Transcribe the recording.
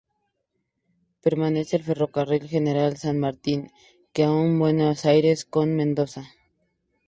Pertenece al Ferrocarril General San Martín, que une Buenos Aires con Mendoza.